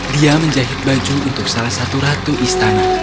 dia menjahit baju untuk salah satu ratu istana